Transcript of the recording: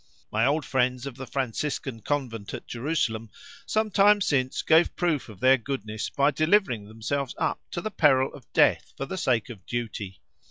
My old friends of the Franciscan convent at Jerusalem some time since gave proof of their goodness by delivering themselves up to the peril of death for the sake of duty.